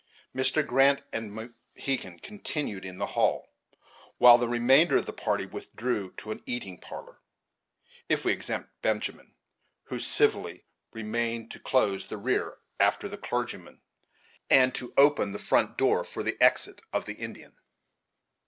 Mr. Grant and Mohegan continued in the hall, while the remainder of the party withdrew to an eating parlor, if we except Benjamin, who civilly remained to close the rear after the clergyman and to open the front door for the exit of the Indian.